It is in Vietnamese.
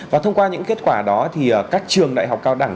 và thông qua những kết quả đó thì các trường đại học cao đẳng